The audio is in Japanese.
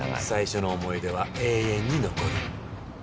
最初の思い出は永遠に残る。